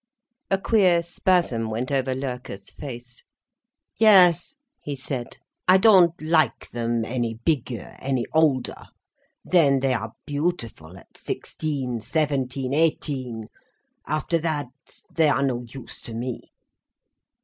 A queer spasm went over Loerke's face. "Yes," he said. "I don't like them any bigger, any older. Then they are beautiful, at sixteen, seventeen, eighteen—after that, they are no use to me."